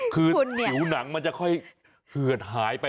คือผิวหนังมันจะค่อยเหือดหายไป